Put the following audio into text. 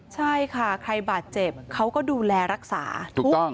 ใช่ค่ะใครบาดเจ็บเขาก็ดูแลรักษาถูกต้อง